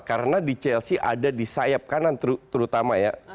karena di chelsea ada di sayap kanan terutama ya